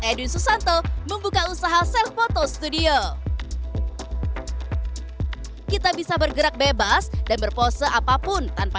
edwin susanto membuka usaha self photo studio kita bisa bergerak bebas dan berpose apapun tanpa